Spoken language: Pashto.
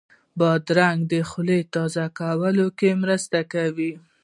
بادرنګ د خولې تازه کولو کې مرسته کوي.